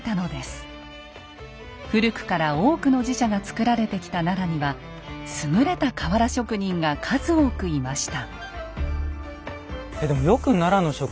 古くから多くの寺社が造られてきた奈良には優れた瓦職人が数多くいました。